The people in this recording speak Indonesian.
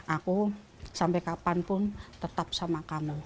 aku sampai kapanpun tetap sama kamu